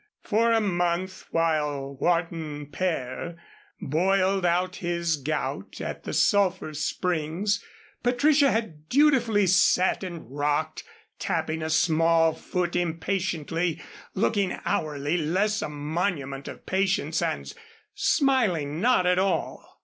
For a month while Wharton père boiled out his gout at the sulphur springs, Patricia had dutifully sat and rocked, tapping a small foot impatiently, looking hourly less a monument of Patience and smiling not at all.